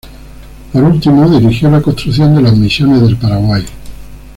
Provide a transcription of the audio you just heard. Por último, dirigió la construcción de las Misiones del Paraguay.